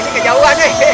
ini kejauhan ya hehehe